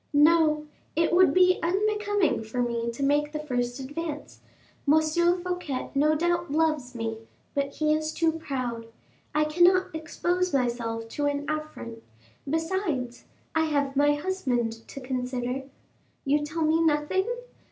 No, it would be unbecoming for me to make the first advance. M. Fouquet no doubt loves me, but he is too proud. I cannot expose myself to an affront.... besides, I have my husband to consider. You tell me nothing?